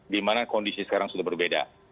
dimana kondisi sekarang sudah berbeda